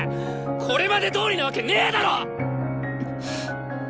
これまでどおりなわけねだろっ！